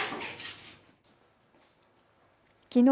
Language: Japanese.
きのう